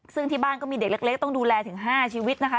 ซึ่งที่บ้านก็มีเด็กเล็กต้องดูแลถึง๕ชีวิตนะคะ